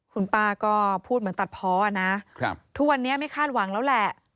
คุณป้าก็พูดเหมือนตัดเพาะนะทุกวันนี้ไม่คาดหวังแล้วแหละ